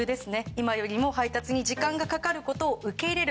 今よりも配達に時間がかかることを受け入れる。